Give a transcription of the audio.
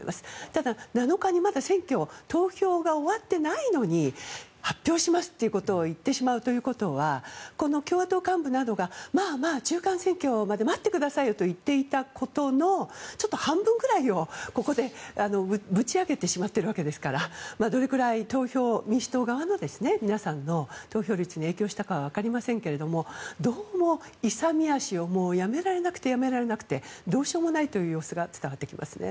ただ、７日に、まだ選挙が投票が終わっていないのに発表しますということを言ってしまうということはこの共和党幹部などがまあまあ中間選挙まで待ってくださいよと言っていたことの半分くらいをここでぶち上げてしまっているわけですからどれくらい民主党側の皆さんの投票率に影響したかはわかりませんけれどもどうも勇み足をやめられなくてやめられなくてどうしようもない様子が伝わってきますね。